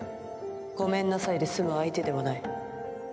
ごめんなさいで済む相手ではない。